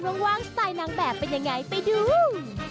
หวั่นว่างสไตล์นางแบบเป็นอย่างไรไปดู